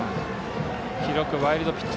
記録はワイルドピッチ。